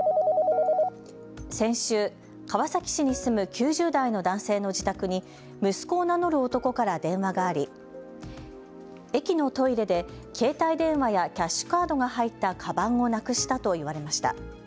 先週、川崎市に住む９０代の男性の自宅に息子を名乗る男から電話があり駅のトイレで携帯電話やキャッシュカードが入ったかばんをなくしたと言われました。